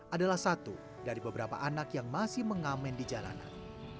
adalah satu dari beberapa anak yang masih mengamen di jalanan